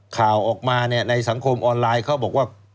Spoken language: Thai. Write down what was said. ข่าวออกมาเนี่ยในสังคมออนไลน์เขาบอกว่า